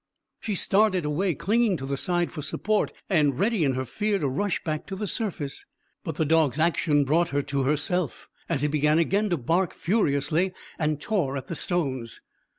She started away, clinging to the side for support, and ready in her fear to rush back to the surface. But the dog's action brought her to herself, as he began again to bark furiously, and tore at the stones.